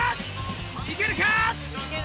いけるか？